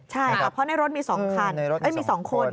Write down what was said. ใช่ครับเพราะในรถมี๒คน